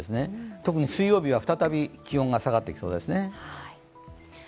特に水曜日は再び気温が下がってきそうですね。